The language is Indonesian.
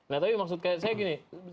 nah tapi maksud saya gini